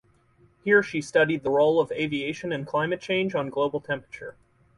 Here she studied the role of aviation in climate change on global temperature.